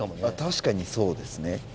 あっ確かにそうですね。